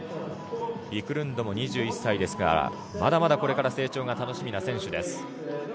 ビクルンドも２１歳ですからまだまだこれから成長が楽しみな選手です。